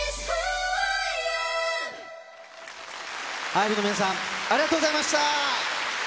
ＩＶＥの皆さん、ありがとうございました。